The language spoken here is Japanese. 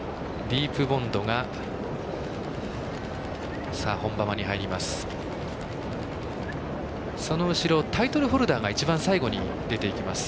ディープボンドが本馬場に入ります。